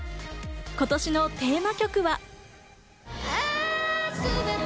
今年のテーマ曲は。